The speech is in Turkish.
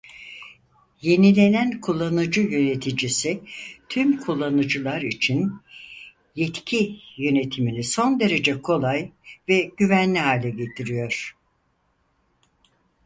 Yenilenen Kullanıcı Yöneticisi tüm kullanıcılar için yetki yönetimini son derece kolay ve güvenli hale getiriyor.